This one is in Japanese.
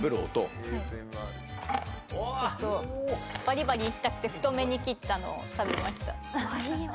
バリバリ行きたくて太めに切ったのを食べました。